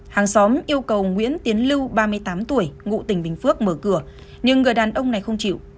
hàng xóm yêu cầu nguyễn tiến lưu ba mươi tám tuổi ngụ tỉnh bình phước mở cửa nhưng người đàn ông này không chịu